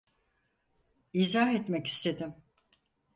İzah etmek istedim...